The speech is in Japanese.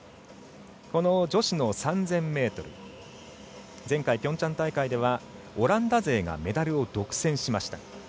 この女子の３０００ｍ前回ピョンチャン大会ではオランダ勢がメダルを独占しました。